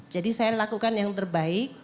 jadi saya lakukan yang terbaik